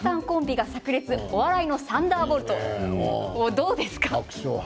どうですか。